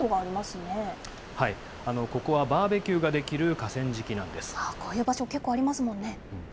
ここはバーベキューができるこういう場所、結構あります